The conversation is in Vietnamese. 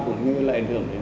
cũng như là ảnh hưởng